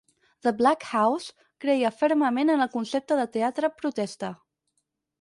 The Black House creia fermament en el concepte de "teatre protesta".